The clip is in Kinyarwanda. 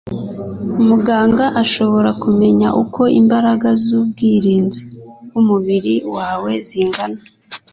Muganga ashobora kumenya uko imbaraga z’ubwirinzi bw’umubiri wawe zingana